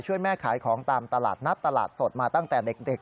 แม่ขายของตามตลาดนัดตลาดสดมาตั้งแต่เด็ก